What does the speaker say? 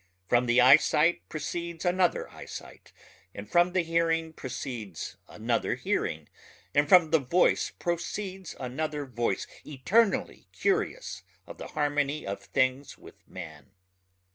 From the eyesight proceeds another eyesight and from the hearing proceeds another hearing and from the voice proceeds another voice eternally curious of the harmony of things with man.